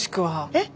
えっ？